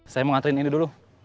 saya mau ngaturin ini dulu